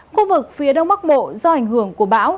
khu vực phía đông bắc bộ do ảnh hưởng của bão